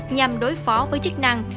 nhằm đối phó với chức năng